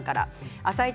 「あさイチ」